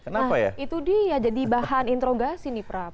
nah itu dia jadi bahan interogasi nih prap